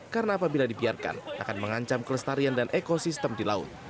karena apabila dibiarkan akan mengancam kelestarian dan ekosistem di laut